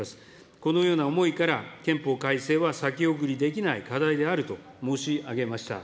このような思いから、憲法改正は先送りできない課題であると申し上げました。